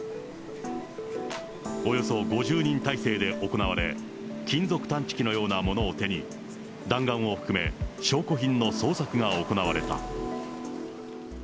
およそ５０人態勢で行われ、金属探知機のようなものを手に、弾丸を含め、証拠品の捜索が行われた。